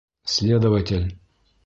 Следователь!